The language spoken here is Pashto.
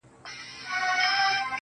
څوك مي دي په زړه باندي لاس نه وهي.